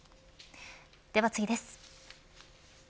では次です。